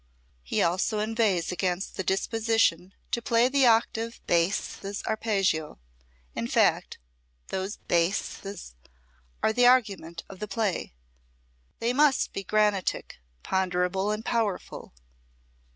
He also inveighs against the disposition to play the octave basses arpeggio. In fact, those basses are the argument of the play; they must be granitic, ponderable and powerful.